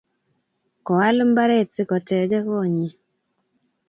koal mbaret si kotegee konnyi